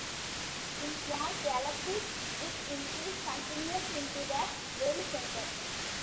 In small galaxies, this increase continues into the very center.